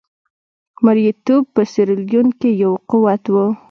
مریتوب په سیریلیون کې یو قوت وو.